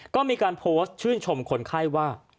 ก็มีการโพสต์ชื่นชมคนไข้ว่า